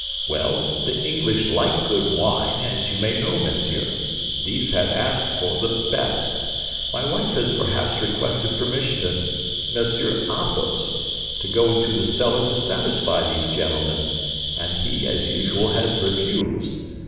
"Well, the English like good wine, as you may know, monsieur; these have asked for the best. My wife has perhaps requested permission of Monsieur Athos to go into the cellar to satisfy these gentlemen; and he, as usual, has refused.